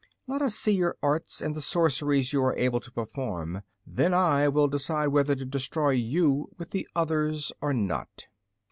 Let us see your arts, and the sorceries you are able to perform. Then I will decide whether to destroy you with the others or not."